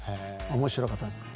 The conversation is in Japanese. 面白かったです。